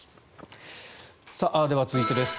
では続いてです。